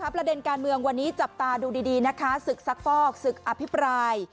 ประเด็นการเมืองวันนี้จับตาดูดีนะคะศึกซักฟอกศึกอภิปราย